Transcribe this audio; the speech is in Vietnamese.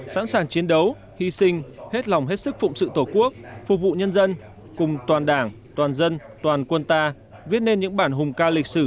sẵn sàng chiến đấu hy sinh hết lòng hết sức phụng sự tổ quốc phục vụ nhân dân cùng toàn đảng toàn dân toàn quân ta viết nên những bản hùng ca lịch sử